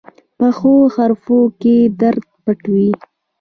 پخو حرفو کې درد پټ وي